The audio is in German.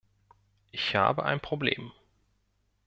Ich habe ein Problem.